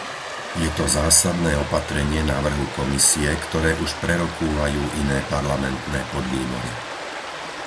Je to zásadné opatrenie návrhu Komisie, ktoré už prerokúvajú iné parlamentné podvýbory.